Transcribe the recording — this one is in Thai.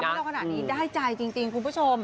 เราขนาดนี้ได้ใจจริงคุณผู้ชม